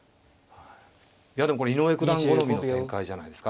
いやでもこれ井上九段好みの展開じゃないですか